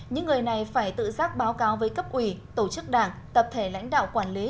những người này phải tự giác báo cáo với cấp ủy tổ chức đảng tập thể lãnh đạo quản lý